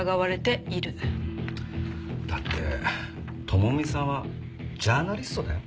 だって朋美さんはジャーナリストだよ。